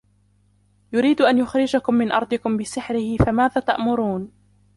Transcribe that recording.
يُرِيدُ أَنْ يُخْرِجَكُمْ مِنْ أَرْضِكُمْ بِسِحْرِهِ فَمَاذَا تَأْمُرُونَ